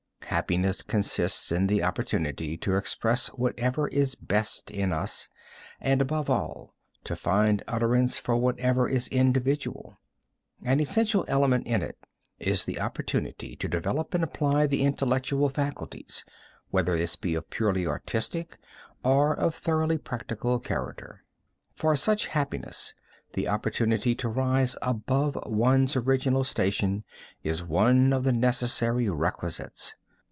Happiness consists in the opportunity to express whatever is best in us, and above all to find utterance for whatever is individual. An essential element in it is the opportunity to develop and apply the intellectual faculties, whether this be of purely artistic or of thoroughly practical character. For such happiness the opportunity to rise above one's original station is one of the necessary requisites.